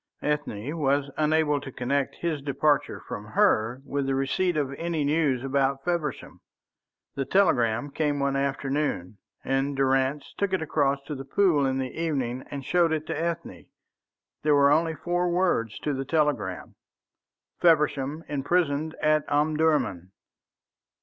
Ethne was unable to connect his departure from her with the receipt of any news about Feversham. The telegram came one afternoon, and Durrance took it across to The Pool in the evening and showed it to Ethne. There were only four words to the telegram: "Feversham imprisoned at Omdurman."